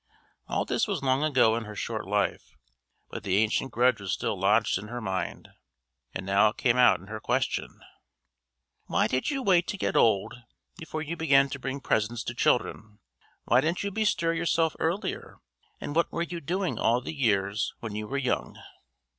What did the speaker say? All this was long ago in her short life, but the ancient grudge was still lodged in her mind, and it now came out in her question: "Why did you wait to get old before you began to bring presents to children; why didn't you bestir yourself earlier; and what were you doing all the years when you were young?"